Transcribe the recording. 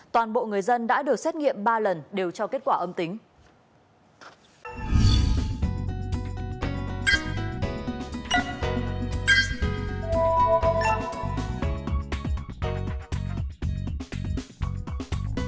toàn bộ người dân đã được xét nghiệm ba lần đều cho kết quả âm tính